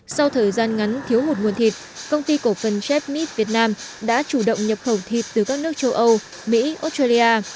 sau thời gian ngắn thiếu hụt nguồn thịt công ty cổ phần jep meet việt nam đã chủ động nhập khẩu thịt từ các nước châu âu mỹ australia